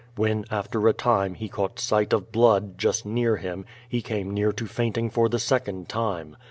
When, after a time, he caught sight of blood just near him, he came near fainting for the second time.